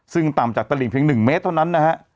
ซึ่งต่ำจากตลิงเพียง๑เมตรเท่านั้นนะฮะ